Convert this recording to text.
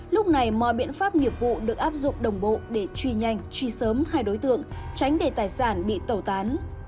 lúc này mọi biện pháp nghiệp vụ được áp dụng đồng bộ để truy nhanh truy sớm hai đối tượng tránh để tài sản bị tẩu tán